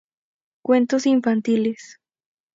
Cuentos infantiles